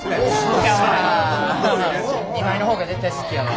２枚の方が絶対好きやわ。